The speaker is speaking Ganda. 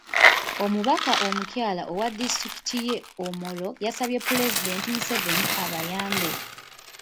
Omubaka omukyala owa disitulikiti y'e Omoro yasabye Pulezidenti Museveni abayambe.